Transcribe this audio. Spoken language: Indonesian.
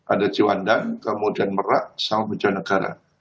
ada cibandan kemudian merak sama pejabat negara